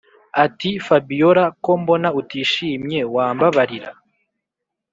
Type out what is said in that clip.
ati”fabiora ko mbona utishimye wambabarira